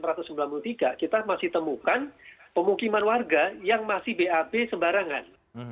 sekarang saja dalam konteks satu ratus sembilan puluh tiga kita masih temukan pemukiman warga yang masih bab sembarangan